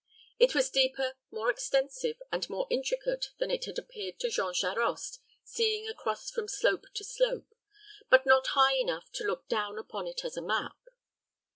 It was deeper, more extensive, and more intricate than it had appeared to Jean Charost, seeing across from slope to slope, but not high enough to look down upon it as a map.